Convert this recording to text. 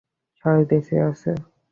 সবাই বেঁচে আছে।